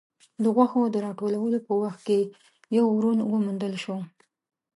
د غوښو د راټولولو په وخت کې يو ورون وموندل شو.